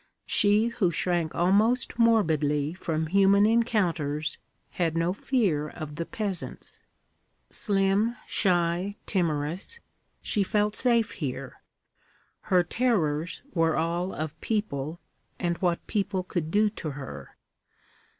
She who shrank almost morbidly from human encounters, had no fear of the peasants. Slim, shy, timorous, she felt safe here. Her terrors were all of people and what people could do to her.